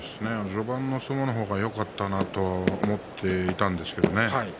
序盤の相撲の方がよかったなと思っていたんですがね